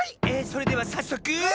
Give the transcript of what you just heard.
それではさっそく。